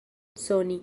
soni